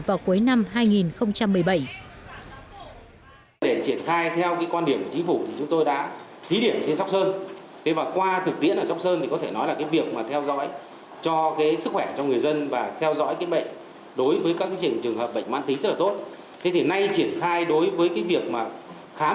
vào cuối năm hai nghìn một mươi bảy